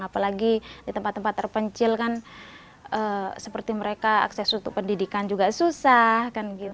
apalagi di tempat tempat terpencil kan seperti mereka akses untuk pendidikan juga susah